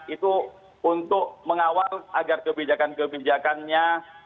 itu untuk mengawal agar kebijakan kebijakannya